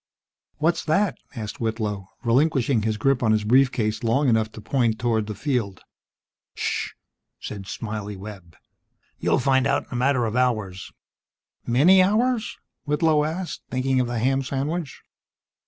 "What's that?" asked Whitlow, relinquishing his grip on his brief case long enough to point toward the field. "Ssssh!" said "Smiley" Webb. "You'll find out in a matter of hours." "Many hours?" Whitlow asked, thinking of the ham sandwich.